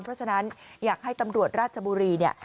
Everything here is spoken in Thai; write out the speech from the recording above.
เพราะฉะนั้นอยากให้ตำรวจราชบุรีเนี่ย